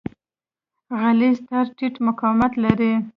غلیظ تار ټیټ مقاومت لري.